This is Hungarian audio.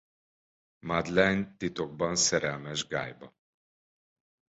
Madeleine titokban szerelmes Guyba.